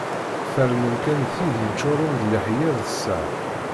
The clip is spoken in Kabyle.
Ferrnen kan tid yeččuren d leḥya d sser.